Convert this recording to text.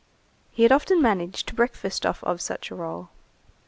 He had often managed to breakfast off of such a roll.